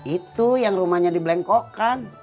itu yang rumahnya di blengkokan